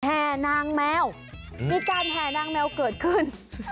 แห่นางแมวมีการแห่นางแมวเกิดขึ้น